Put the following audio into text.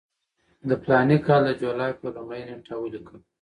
د فلاني کال د جولای پر لومړۍ نېټه ولیکل.